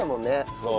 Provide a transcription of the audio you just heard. そう。